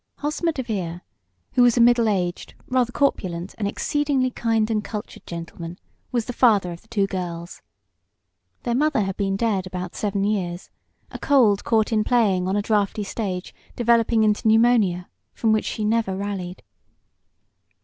Hosmer DeVere, who was a middle aged, rather corpulent and exceedingly kind and cultured gentleman, was the father of the two girls. Their mother had been dead about seven years, a cold caught in playing on a draughty stage developing into pneumonia, from which she never rallied.